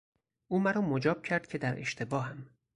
او مرا مجاب کرد که در اشتباهم.